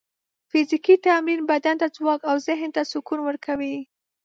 فزیکي تمرین بدن ته ځواک او ذهن ته سکون ورکوي.